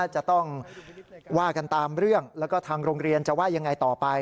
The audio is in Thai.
จะต้องว่ากันตามเรื่องแล้วก็ทางโรงเรียนจะว่ายังไงต่อไป